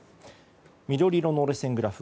緑色の折れ線グラフ